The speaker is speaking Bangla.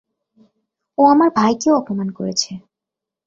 ও আমার ভাইকেও অপমান করেছে!